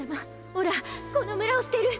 オラこの村を捨てる！